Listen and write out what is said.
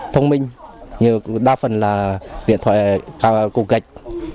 thông minh đa phần là điện thoại cục gạch